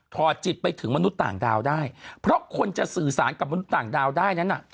อดจิตไปถึงมนุษย์ต่างดาวได้เพราะคนจะสื่อสารกับมนุษย์ต่างดาวได้นั้นน่ะ